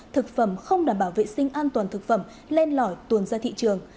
thực phẩm không đảm bảo vệ sinh an toàn thực phẩm lên lỏi tuồn ra thị trường